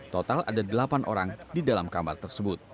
total ada delapan orang di dalam kamar tersebut